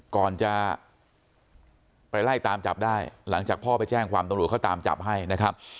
ก่อนจะไปไล่ตามจับได้หลังจากพ่อไปแจ้งความตำรวจเขาตามจับให้นะครับ